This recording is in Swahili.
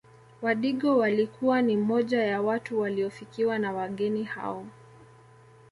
Wadigo walikuwa ni moja ya watu waliofikiwa na wageni hao